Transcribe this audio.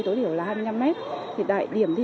tối thiểu là hai mươi năm mét thì tại điểm thi